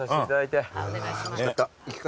お願いします。